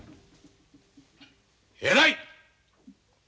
偉い！